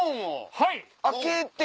はい！